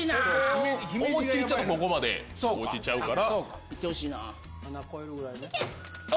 思いっ切り、ちょっとここまで落ちちゃうから。